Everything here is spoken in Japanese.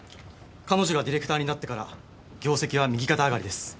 彼女がディレクターになってから業績は右肩上がりです。